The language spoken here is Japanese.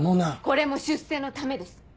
これも出世のためです。